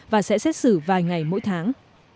và sẽ xét xử vài ngày mỗi tháng